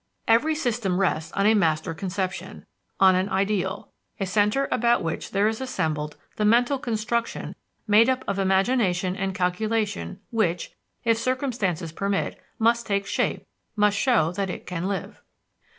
Every system rests on a master conception, on an ideal, a center about which there is assembled the mental construction made up of imagination and calculation which, if circumstances permit, must take shape, must show that it can live.